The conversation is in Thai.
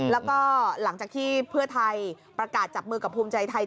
แล้วก็หลังจากที่เพื่อไทยประกาศจับมือกับภูมิใจไทย